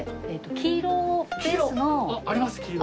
黄色ですか？